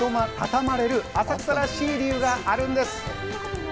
毎年、同じ時期にたたまれる、浅草らしい理由があるんです。